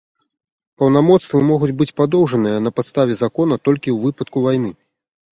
Паўнамоцтвы могуць быць падоўжаныя на падставе закона толькі ў выпадку вайны.